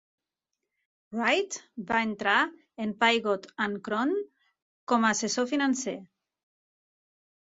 Wright va entrar en Pygott and Crone com a assessor financer.